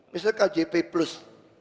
misalnya kjp plus